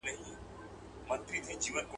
تا د خپلي خواريو نتيجه ليدلې ده.